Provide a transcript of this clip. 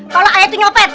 kalau ayah tuh nyopet